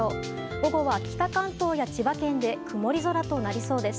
午後は北関東や千葉県で曇り空となりそうです。